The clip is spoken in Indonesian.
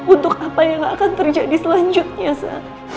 untuk apa yang akan terjadi selanjutnya saya